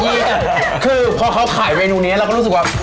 คือพอเขาขายเมนูนี้เราก็รู้สึกว่า